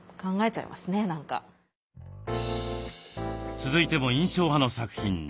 続いても印象派の作品。